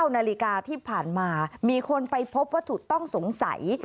๙นาฬิกาที่ผ่านมามีคนไปพบวัตถุต้องสงสัย